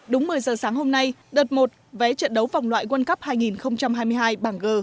đúng một mươi giờ sáng hôm nay đợt một vé trận đấu vòng loại world cup hai nghìn hai mươi hai bảng g